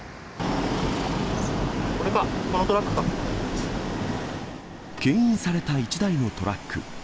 これか、けん引された一台のトラック。